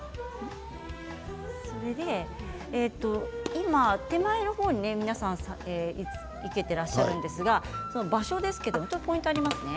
今、手前の方に皆さん生けていらっしゃるんですが場所ですけれどもポイントがありますね。